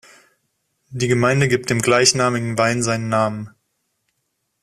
Die Gemeinde gibt dem gleichnamigen Wein seinen Namen.